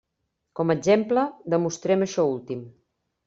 Com a exemple, demostrem això últim.